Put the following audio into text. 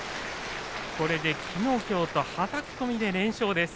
これできのう、きょうとはたき込みで全勝です。